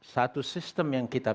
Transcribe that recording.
satu sistem yang kita